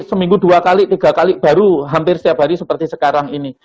seminggu dua kali tiga kali baru hampir setiap hari seperti sekarang ini